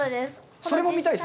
それも見たいですね。